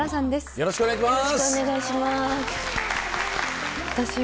よろしくお願いします。